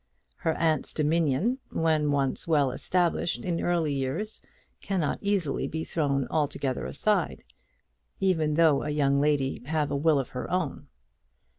An aunt's dominion, when once well established in early years, cannot easily be thrown altogether aside, even though a young lady have a will of her own.